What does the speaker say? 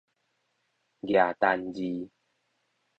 額單字